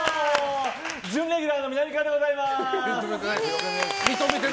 準レギュラーのみなみかわでございます。